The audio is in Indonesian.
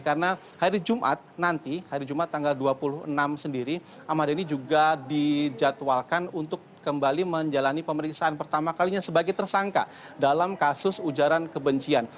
karena hari jumat nanti hari jumat tanggal dua puluh enam sendiri ahmad dhani juga dijadwalkan untuk kembali menjalani pemeriksaan pertama kalinya sebagai tersangka dalam kasus ujaran kebencian